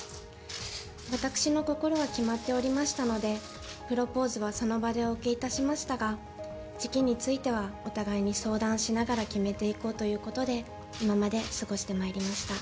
私の心は決まっておりましたので、プロポーズはその場でお受けいたしましたが、時期については、お互いに相談しながら決めていこうということで、今まで過ごしてまいりました。